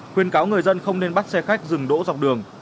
khuyên cáo người dân không nên bắt xe khách dừng đỗ dọc đường